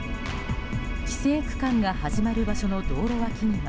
規制区間が始まる場所の道路脇には